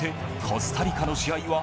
コスタリカの試合は